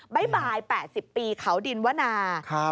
๊ายบาย๘๐ปีเขาดินวนา